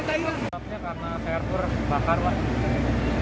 karena server bakar pak